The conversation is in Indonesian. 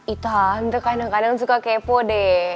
itu kan kadang kadang suka kepo deh